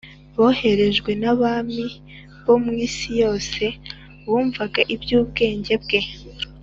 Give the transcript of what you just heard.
boherejwe n’abami bo mu isi yose bumvaga iby’ubwenge bwe